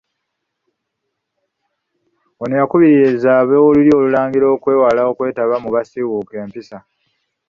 Ono yakubirizza ab'Olulyo Olulangira okwewala okwetaba mu basiiwuuka empisa .